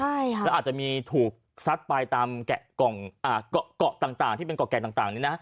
และอาจจะมีถูกซัดไปตามเกะเกาะต่างที่เป็นเกาะแกะต่างนี้นะ